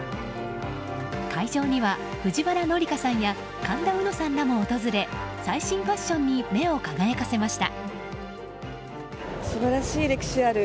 会場には、藤原紀香さんや神田うのさんらも訪れ最新ファッションに目を輝かせました。